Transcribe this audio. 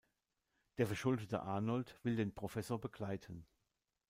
Der verschuldete Arnold will den Professor begleiten.